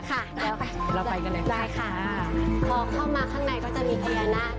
ค่ะแล้วค่ะเราไปกันเลยค่ะใช่ค่ะพอเข้ามาข้างในก็จะมีพญานาค